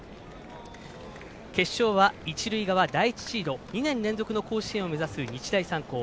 決勝は一塁側、第１シード２年連続の甲子園を目指す日大三高。